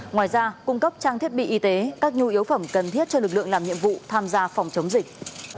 ngoài ra cung cấp trang thiết bị y tế các nhu yếu phẩm cần thiết cho lực lượng làm nhiệm vụ tham gia phòng chống dịch